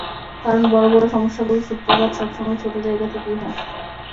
কারণ, বড় বড় সমস্যাগুলোর সূত্রপাত সবসময় ছোট জায়গা থেকেই হয়!